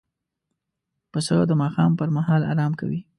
پسه د ماښام پر مهال آرام کوي.